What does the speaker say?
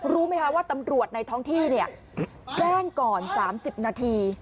รู้ไหมคะว่าตำรวจในท้องที่แจ้งก่อน๓๐นาที